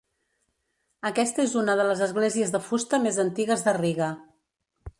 Aquesta és una de les esglésies de fusta més antigues de Riga.